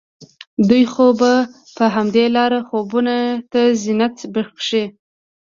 دوی خو په همدې لاره خوبونو ته زينت بښي